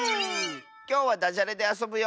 きょうはだじゃれであそぶよ！